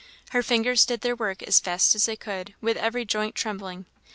Her fingers did their work as fast as they could, with every joint trembling.